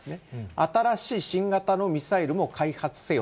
新しい新型のミサイルも開発せよ。